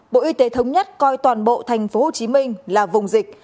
bộ y tế thống nhất coi toàn bộ tp hcm là vùng dịch